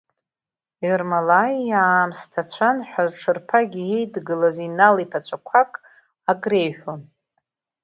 Ермолаи иаамсҭацәан ҳәа зҽырԥагьа иеидгылаз Инал-иԥацәақәак ак реиҳәон.